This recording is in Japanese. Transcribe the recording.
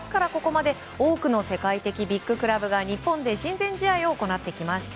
６月からここまで多くの世界的ビッグクラブが日本で親善試合を行ってきました。